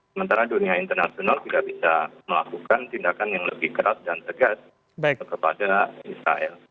sementara dunia internasional tidak bisa melakukan tindakan yang lebih keras dan tegas kepada israel